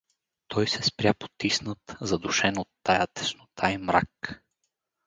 Той се спря потиснат, задушен от тая теснота и мрак.